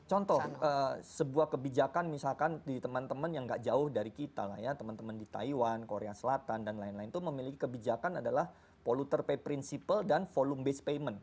contoh sebuah kebijakan misalkan di teman teman yang gak jauh dari kita lah ya teman teman di taiwan korea selatan dan lain lain itu memiliki kebijakan adalah poluter pay principle dan volume based payment